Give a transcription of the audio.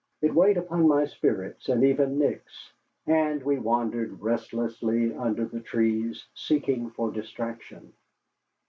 It weighed upon my spirits, and even Nick's, and we wandered restlessly under the trees, seeking for distraction.